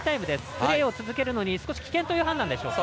プレーを続けるのに少し危険という判断でしょうか。